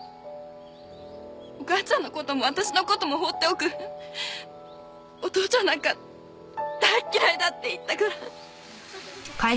「お母ちゃんの事も私の事も放っておくお父ちゃんなんか大っ嫌いだ」って言ったから。